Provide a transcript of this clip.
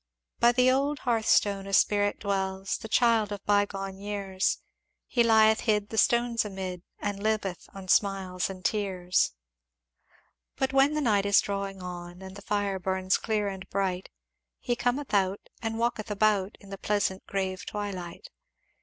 "By the old hearthstone a Spirit dwells, The child of bygone years, He lieth hid the stones amid, And liveth on smiles and tears. "But when the night is drawing on, And the fire burns clear and bright, He Cometh out and walketh about, In the pleasant grave twilight.